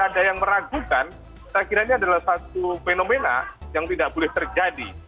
jadi ada yang meragukan kita kiranya adalah satu fenomena yang tidak boleh terjadi